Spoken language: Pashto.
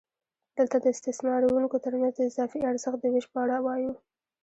دلته د استثماروونکو ترمنځ د اضافي ارزښت د وېش په اړه وایو